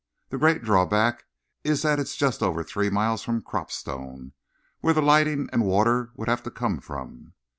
The great drawback is that it's just over three miles from Cropstone, where the lighting and water would have to come from."